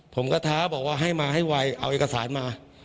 ผมก็ท้าบอกว่าให้มาให้ไวเอาเอกสารมา